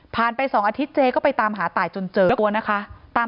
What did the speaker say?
ผ่านไป๒อาทิตย์เจ๊ก็ไปตามหาตายจนเจอและกลัวนะคะ